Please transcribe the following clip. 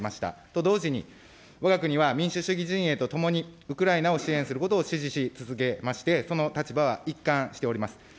と同時に、わが国は民主主義陣営とともに、ウクライナを支援することを支持し続けまして、その立場は一貫しております。